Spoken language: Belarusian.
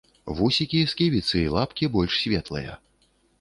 Вусікі, сківіцы і лапкі больш светлыя.